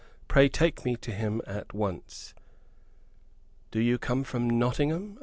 "Pray take me to him at once." "Do you come from Nottingham?"